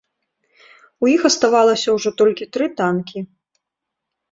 У іх аставалася ўжо толькі тры танкі.